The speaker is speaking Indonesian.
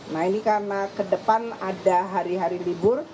nah ini karena ke depan ada hari hari libur